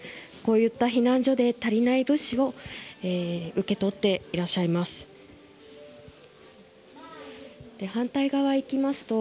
こういった避難所で足りない物資を受け取っていらっしゃいます。